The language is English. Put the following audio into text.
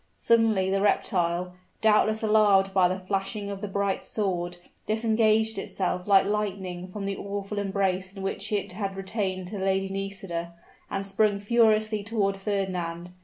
Suddenly the reptile, doubtless alarmed by the flashing of the bright sword, disengaged itself like lightning from the awful embrace in which it had retained the Lady Nisida, and sprung furiously toward Fernand.